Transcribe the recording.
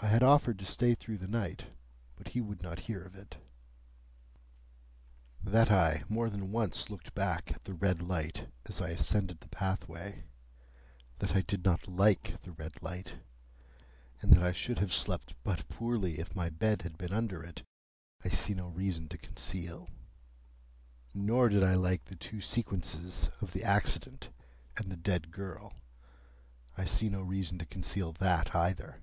I had offered to stay through the night, but he would not hear of it. That I more than once looked back at the red light as I ascended the pathway, that I did not like the red light, and that I should have slept but poorly if my bed had been under it, I see no reason to conceal. Nor did I like the two sequences of the accident and the dead girl. I see no reason to conceal that either.